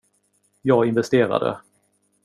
Jag investerade.